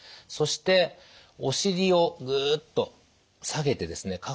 そしておしりをグッと下げてですね